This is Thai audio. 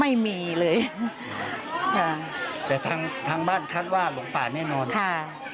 ไม่มีเลยค่ะแต่ทางทางบ้านคาดว่าหลงป่าแน่นอนค่ะ